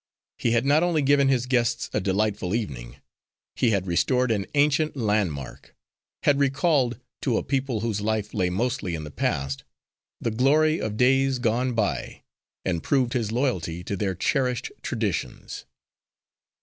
He had not only given his guests a delightful evening. He had restored an ancient landmark; had recalled, to a people whose life lay mostly in the past, the glory of days gone by, and proved his loyalty to their cherished traditions.